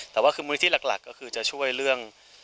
แต่ว่ามูลิธิหลักที่จะช่วยเรื่อง